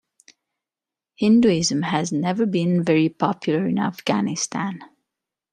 Hinduism has never been very popular in Afghanistan.